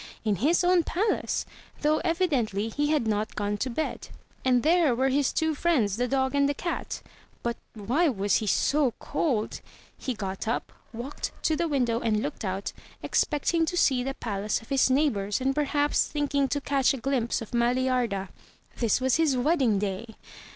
In his own palace, though evidently he had not gone to bed. And there were his two friends the dog and the cat. But why was he so cold? He got up, walked to the window, and looked out, expecting to see the palace of his neigh bors, and perhaps thinking to catch a glimpse of Maliarda. This was his wedding day!